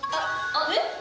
あれ？